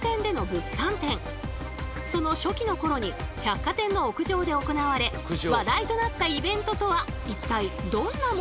その初期の頃に百貨店の屋上で行われ話題となったイベントとは一体どんなものだったでしょう？